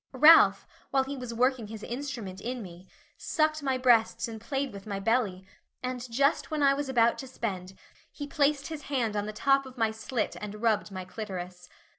Ralph, while he was working his instrument in me, sucked my breasts and played with my belly, and just when I was about to spend he placed his hand on the top of my slit and rubbed my clitoris.